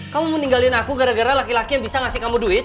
kamu meninggalin aku gara gara laki laki yang bisa ngasih kamu duit